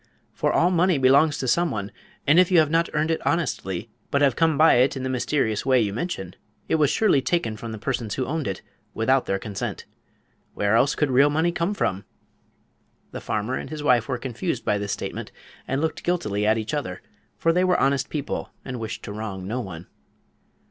For all money belongs to some one, and if you have not earned it honestly, but have come by it in the mysterious way you mention, it was surely taken from the persons who owned it, without their consent. Where else could real money come from?" The farmer and his wife were confused by this statement and looked guiltily at each other, for they were honest people and wished to wrong no one.